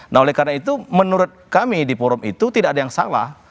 nah oleh karena itu menurut kami di forum itu tidak ada yang salah